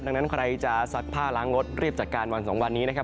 ดังนั้นใครจะซักผ้าล้างรถรีบจัดการวัน๒วันนี้นะครับ